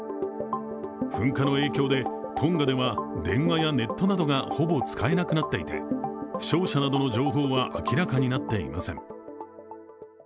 噴火の影響で、トンガでは電話やネットなどがほぼ使えなくなっていて、負傷者などの情報は明らかになっていません。